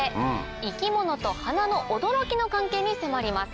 生き物と花の驚きの関係に迫ります。